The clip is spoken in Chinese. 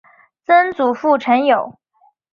曾祖父陈友。